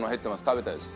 食べたいです。